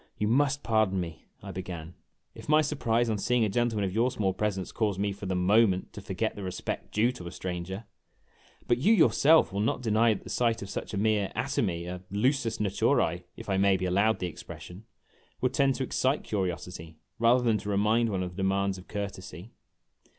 "You must pardon me," I began, "if my surprise on seeing a gentleman of your small presence caused me for the moment to forget the respect due to a stranger. But you yourself will not deny that the sight of such a mere atomy a lusus natures, if I may be allowed the expression would tend to excite curiosity rather than to remind one of the demands of courtesy."